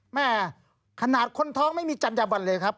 แม่ขนาดคนท้องไม่มีจัญญาบันเลยครับ